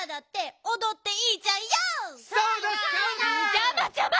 じゃまじゃま！